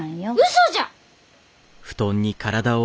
嘘じゃ！